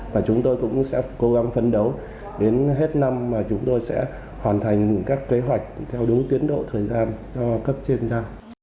và chúng tôi cũng sẽ cố gắng phấn đấu đến hết năm mà chúng tôi sẽ hoàn thành các kế hoạch theo đúng tiến độ thời gian cho cấp trên giao